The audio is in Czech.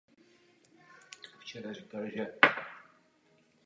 Tímto svým koníčkem se dostal k filmu jako kreslíř titulků pro němé filmy.